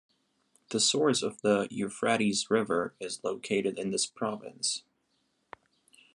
The source of the Euphrates river is located in this province.